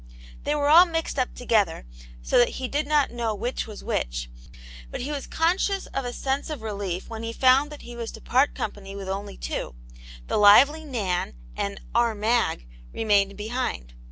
They were all mixed up together, so that he did not know which was which, but he was conscious of a sense of relief when he found that he was to part company with only two ; the lively " Nan " and "our Mag" remained behind.